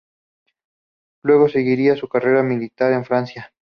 Luego seguiría su carrera militar en Francia.